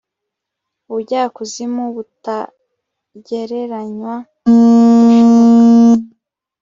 Ubujyakuzimu butagereranywa nibidashoboka